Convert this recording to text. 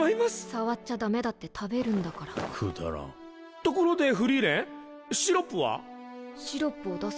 触っちゃダメだって食べるんだからくだらんところでフリーレンシロッ